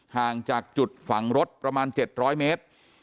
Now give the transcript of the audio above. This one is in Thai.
ห่างจากจุดฝังรถประมาณ๗๐๐เมตร